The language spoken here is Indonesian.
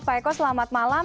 pak eko selamat malam